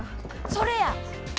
それや！